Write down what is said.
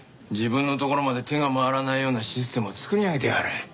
自分のところまで手が回らないようなシステムを作り上げてやがる。